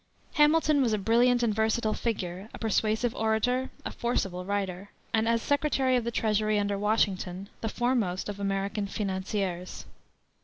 Hamilton was a brilliant and versatile figure, a persuasive orator, a forcible writer, and as Secretary of the Treasury under Washington the foremost of American financiers.